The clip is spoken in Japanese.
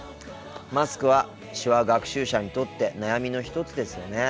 マスクは手話学習者にとって悩みの一つですよね。